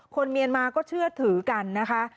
เมียนมาก็เชื่อถือกันนะคะ